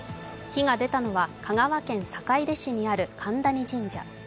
火が出たのは香川県坂出市にある神谷神社。